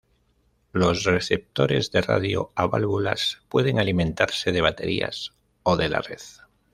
Los receptores de radio a válvulas pueden alimentarse de baterías o de la red.